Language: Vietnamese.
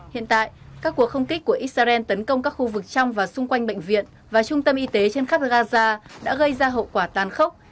hiện tại các cuộc không kích của israel tấn công các khu vực trong và xung quanh bệnh viện và trung tâm y tế trên khắp gaza đã gây ra hậu quả tan khốc